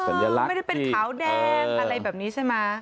ไม่ได้เป็นขาวแดงอะไรแบบนี้ใช่ไหม